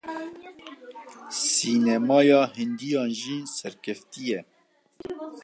Sînemaya Hindiyan jî serkevtî ye.